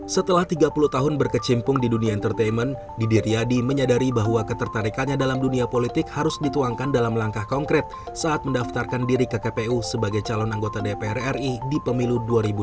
setelah tiga puluh tahun berkecimpung di dunia entertainment didi riyadi menyadari bahwa ketertarikannya dalam dunia politik harus dituangkan dalam langkah konkret saat mendaftarkan diri ke kpu sebagai calon anggota dpr ri di pemilu dua ribu dua puluh